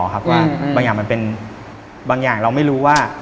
หน่อยว่าอยากมาสร้างโทรศักดิ์